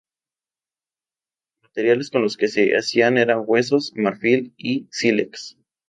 Los materiales con los que se hacían eran huesos, marfil y sílex.